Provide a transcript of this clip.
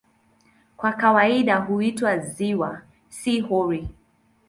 Kwa kawaida huitwa "ziwa", si "hori".